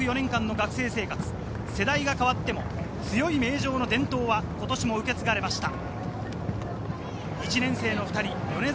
大学４年間の学生生活、世代が変わっても強い名城の伝統は今年も受け継がれました。